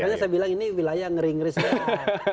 makanya saya bilang ini wilayah ngeri ngeri sekarang